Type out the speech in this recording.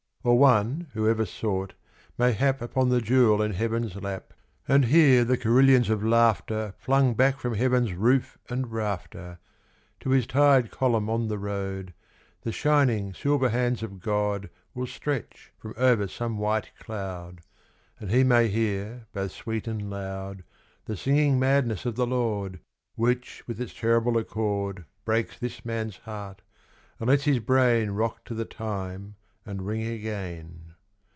Or one who ever sought, may hap Upon the jewel in heaven's lap And hear the carillons of laughter Flung back from heaven's roof and rafter, To his tired column on the road The shining silver hands of God Will stretch from over some white cloud, And he may hear both sweet and loud The singing madness of the Lord, Which with its terrible accord Breaks this man's heart, and lets his brain Rock to the time and ring again.